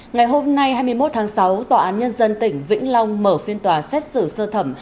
ngày hôm nay hai mươi một tháng sáu tòa án nhân dân tỉnh vĩnh long mở phiên tòa xét xử sơ thẩm